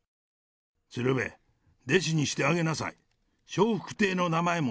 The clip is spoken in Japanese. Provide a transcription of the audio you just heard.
鶴瓶、弟子にしてあげなさい。